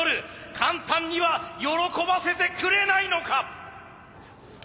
簡単には喜ばせてくれないのか。